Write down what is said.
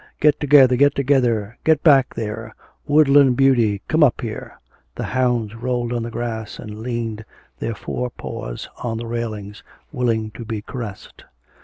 'Get together, get together; get back there! Woodland Beauty, come up here.' The hounds rolled on the grass and leaned their fore paws on the railings, willing to be caressed.